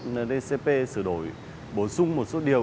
ndcp sửa đổi bổ sung một số điều